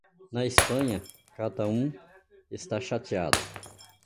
Na Espanha, cada um está chateado.